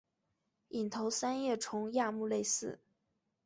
隐头三叶虫亚目类似。